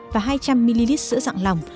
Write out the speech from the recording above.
và hai trăm linh ml sữa dạng lỏng